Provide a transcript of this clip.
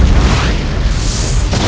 tidak ada yang lebih sakti dariku